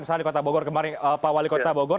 misalnya di kota bogor kemarin pak wali kota bogor